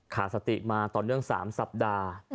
ขาดสติมาตอนด้วยสามสัปดาห์